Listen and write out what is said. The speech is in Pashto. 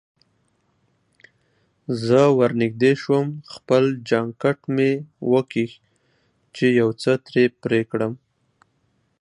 زه ورنژدې شوم، خپل جانکټ مې وکیښ چې یو څه ترې پرې کړم.